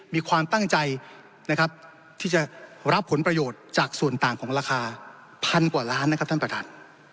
มีความตั้งใจนะครับที่จะรับผลประโยชน์จากส่วนต่างของราคาพันกว่าล้านนะครับท่านประธาน